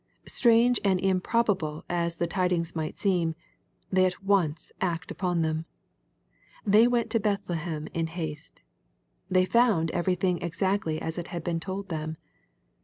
Strange and improbable as the tidings might seem, they at once act upon them. They went to Bethle hem in haste. They found everything exactly as it had been told them.